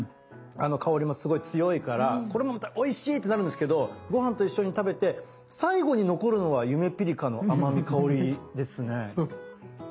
香りもすごい強いからこれもまたおいしいってなるんですけどご飯と一緒に食べて最後に残るのはゆめぴりかの甘み香りですね。